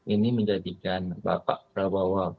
ini menjadikan bapak prabowo